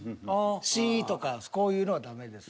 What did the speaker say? シッとかこういうのはダメです。